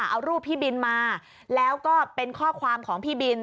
เอารูปพี่บินมาแล้วก็เป็นข้อความของพี่บิน